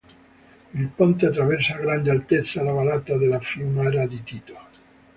Il ponte attraversa a grande altezza la vallata della Fiumara di Tito.